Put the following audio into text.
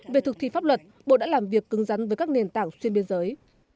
về thực thi pháp luật bộ đã làm việc cứng rắn với các nền tảng xuyên biên giới